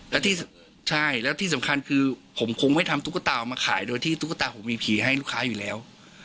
แล้วที่ใช่แล้วที่สำคัญคือผมคงไม่ทำตุ๊กตามาขายโดยที่ตุ๊กตาผมมีผีให้ลูกค้าอยู่แล้ว